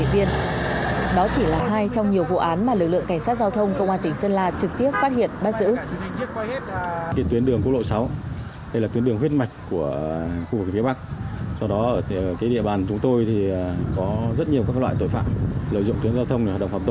và nhiều vụ án mà lực lượng cảnh sát giao thông